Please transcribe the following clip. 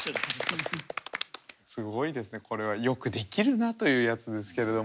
すごいですねこれは。よくできるなというやつですけれども。